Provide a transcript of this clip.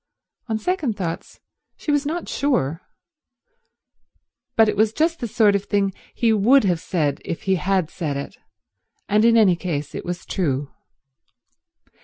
On second thoughts she was not sure, but it was just the sort of thing he would have said if he had said it, and in any case it was true.